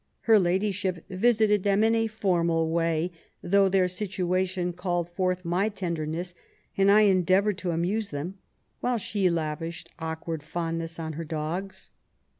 Her ladyship visited them in a formal way, though their situation .called forth my tenderness, and I endeavoured to amuse them, while she lavished awkward fondness on her dogs.